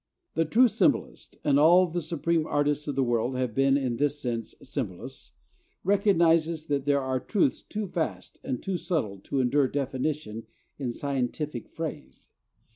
The true symbolist and all the supreme artists of the world have been in this sense symbolists recognizes that there are truths too vast and too subtle to endure definition in scientific phrase.